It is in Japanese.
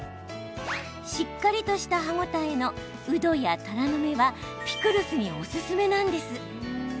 しっかりとした歯応えのうどやたらの芽はピクルスにオススメなんです。